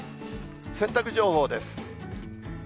洗濯情報です。